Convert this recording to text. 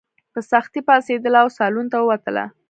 په سختۍ پاڅېدله او سالون ته ووتله.